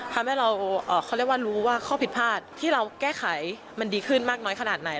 ทำให้เราเขาเรียกว่ารู้ว่าข้อผิดพลาดที่เราแก้ไขมันดีขึ้นมากน้อยขนาดไหน